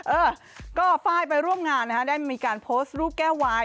เออก็ไฟล์ไปร่วมงานนะฮะได้มีการโพสต์รูปแก้ววาย